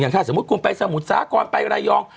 อย่างถ้าสมมติคุณไปสมุทรสาหกรไปรายยอง